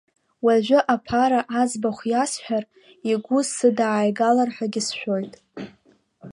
Уажәы аԥара аӡбахә иасҳәар, игәы сыдааигалар ҳәагьы сшәоит.